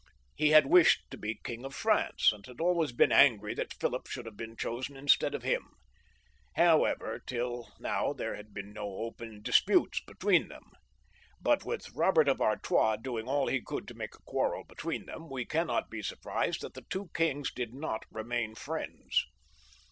He had wished to be King of France, and had always been angry that Philip should have been chosen instead of him. However, till now there had been no open disputes between them ; but with Bobert of Artois doing all he could to make a quarrel between them, we cannot be surprised that the two kings did not remain friends.